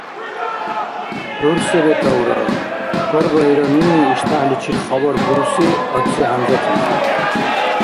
— ГӀур се бетаура? — хьарбаира нуни иштяхӀличил хабар буруси Ацци-ХӀямзатлизи.